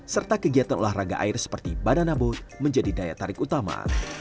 serta kegiatan olahraga air seperti badanabo menjadi daya tarik utama